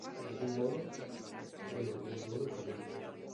De algún modo, fue un nuevo comienzo.